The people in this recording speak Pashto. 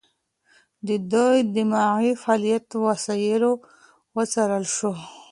د دوی دماغي فعالیت وسایلو وڅارل شو.